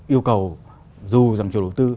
yêu cầu dù rằng chủ đầu tư